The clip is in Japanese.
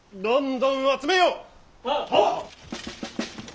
はっ！